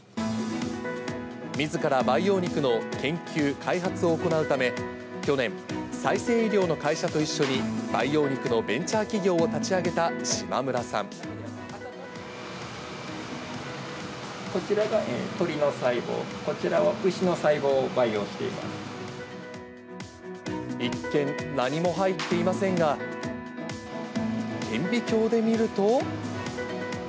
みずから培養肉の研究・開発を行うため、去年、再生医療の会社と一緒に培養肉のベンチャー企業を立ち上げた島村こちらが鶏の細胞、こちらは一見、何も入っていませんが、顕微鏡で見ると。